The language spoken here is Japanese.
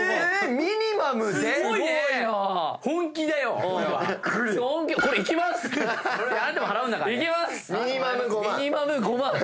ミニマム５万。